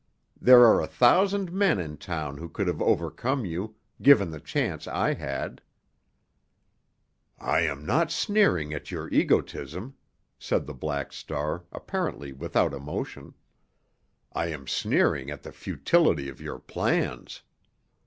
There are a thousand men in town who could have overcome you, given the chance I had." "I am not sneering at your egotism," said the Black Star, apparently without emotion. "I am sneering at the futility of your plans.